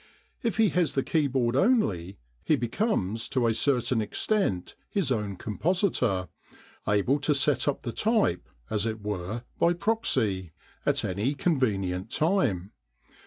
If he has the keyboard only he becomes to a certain extent his own compositor, able to set up the type, as it were by proxy, at any convenient time.